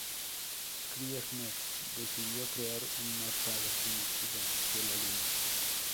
Krieger decidió crear un mapa definitivo de la Luna.